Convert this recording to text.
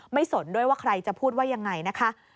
สนด้วยว่าใครจะพูดว่ายังไงนะคะ